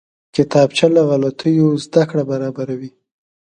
کتابچه له غلطیو زده کړه برابروي